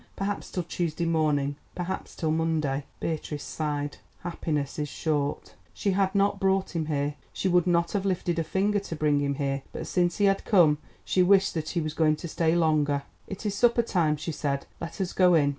Perhaps till Tuesday morning, perhaps till Monday." Beatrice sighed. Happiness is short. She had not brought him here, she would not have lifted a finger to bring him here, but since he had come she wished that he was going to stay longer. "It is supper time," she said; "let us go in."